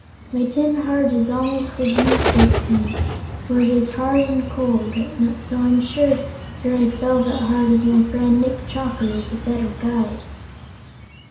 My tin heart is almost as useless to me, for it is hard and cold, so I'm sure the red velvet heart of my friend Nick Chopper is a better guide."